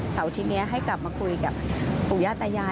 เสาร์ทีนี้ให้กลับมาคุยกับปู่ย่าตายาย